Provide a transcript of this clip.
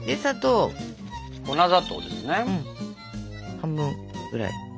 半分ぐらい。